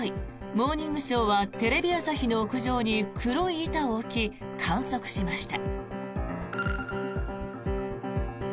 「モーニングショー」はテレビ朝日の屋上に黒い板を置き、観測しました。